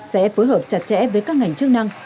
sẽ phối hợp chặt chẽ với các ngành chức năng